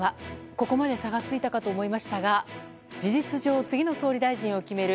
ここまで差がついたかと思いましたが事実上、次の総理大臣を決める